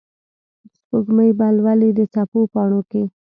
سپوږمۍ به لولي د څپو پاڼو کې